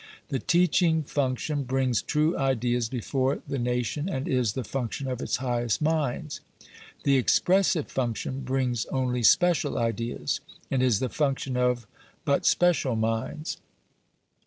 The teaching function brings true ideas before the nation, and is the function of its highest minds. The expressive function brings only special ideas, and is the function of but special minds.